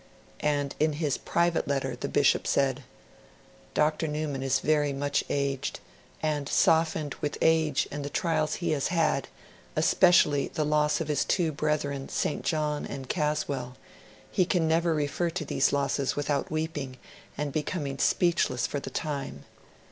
And in his private letter the Bishop said: 'Dr. Newman is very much aged, and softened with age and the trials he has had, especially the loss of his two brethren, St. John and Caswall; he can never refer to these losses without weeping and becoming speechless for a time.